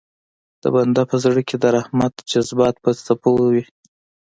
د بنده په زړه کې د رحمت جذبات په څپو وي.